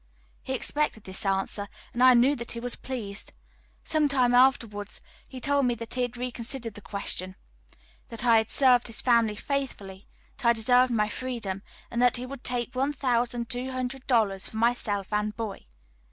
He expected this answer, and I knew that he was pleased. Some time afterwards he told me that he had reconsidered the question; that I had served his family faithfully; that I deserved my freedom, and that he would take $1200 for myself and boy.